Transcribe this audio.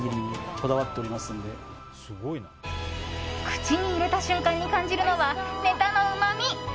口に入れた瞬間に感じるのはネタのうまみ。